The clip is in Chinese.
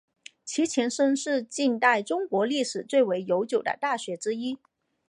其前身是近代中国历史最为悠久的大学之一。